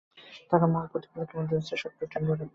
তার ও মহান প্রতিপালকের মধ্যে রয়েছে সত্তরটি নূরের পর্দা।